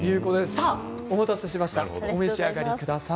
さあお待たせしましたお召し上がりください。